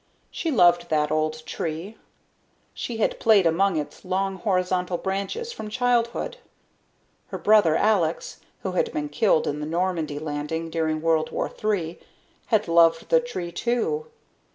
She loved that old tree. She had played among its long horizontal branches from childhood. Her brother, Alex, who had been killed in the Normandy Landing during World War Three, had loved the tree too.